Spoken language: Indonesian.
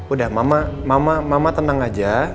udah mama tenang aja